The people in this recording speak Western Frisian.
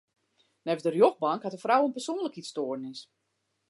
Neffens de rjochtbank hat de frou in persoanlikheidsstoarnis.